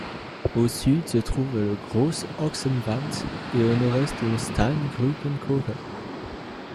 Au sud se trouve le Große Ochsenwand et au nord-est, le Steingrubenkogel.